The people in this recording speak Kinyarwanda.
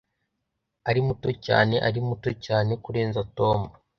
Ari muto cyane Ari muto cyane kurenza Tom